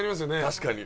確かに。